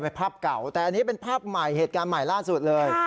เป็นภาพเก่าแต่อันนี้เป็นภาพใหม่เหตุการณ์ใหม่ล่าสุดเลย